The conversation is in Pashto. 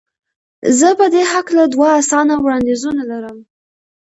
زه په دې هکله دوه اسانه وړاندیزونه لرم.